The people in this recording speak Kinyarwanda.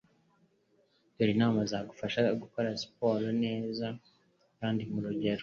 Dore inama zagufasha gukora siporo neza kandi mu rugero